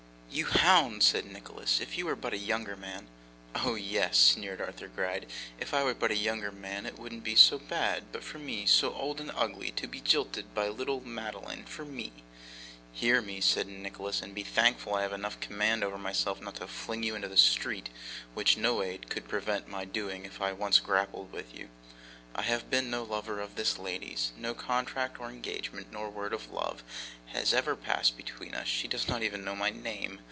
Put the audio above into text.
'You hound!' said Nicholas. 'If you were but a younger man ' 'Oh yes!' sneered Arthur Gride, 'If I was but a younger man it wouldn't be so bad; but for me, so old and ugly! To be jilted by little Madeline for me!' 'Hear me,' said Nicholas, 'and be thankful I have enough command over myself not to fling you into the street, which no aid could prevent my doing if I once grappled with you. I have been no lover of this lady's. No contract or engagement, no word of love, has ever passed between us. She does not even know my name.